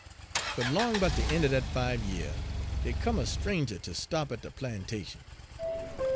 "But 'long 'bout de een' er dat five year dey come a stranger ter stop at de plantation.